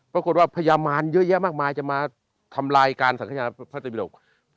ปรากฏว่าพยามารเยอะแยะมากจะมาทำลายการสังขยะนาพพระสัตว์ปีโดก